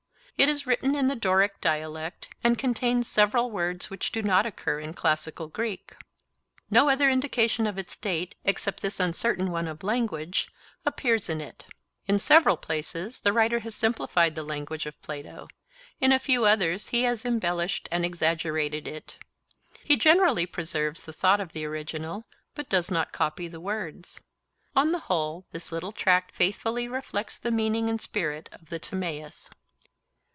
It is written in the Doric dialect, and contains several words which do not occur in classical Greek. No other indication of its date, except this uncertain one of language, appears in it. In several places the writer has simplified the language of Plato, in a few others he has embellished and exaggerated it. He generally preserves the thought of the original, but does not copy the words. On the whole this little tract faithfully reflects the meaning and spirit of the Timaeus.